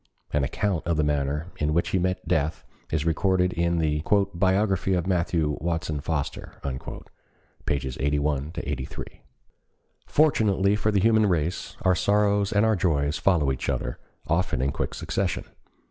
An account of the manner in which he met death is recorded in the "Biography of Matthew Watson Foster," pp. 81 83. Fortunately for the human race, our sorrows and our joys follow each other, often in quick succession.